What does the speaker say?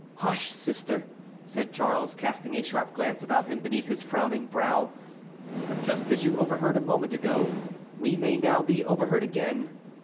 "Hush, sister!" said Charles, casting a sharp glance about him beneath his frowning brow. "For just as you overheard a moment ago, we may now be overheard again."